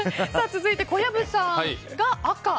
続いて小籔さんが赤。